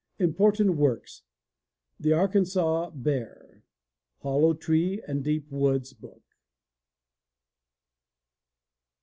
Important Works: The Arkansaw Bear. Hollow Tree and Deep Woods Book.